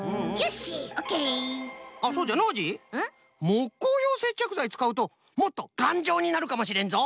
もっこうようせっちゃくざいつかうともっとがんじょうになるかもしれんぞ。